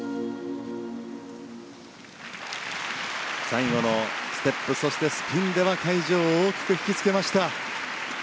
最後のステップそしてスピンでは会場を大きく引きつけました。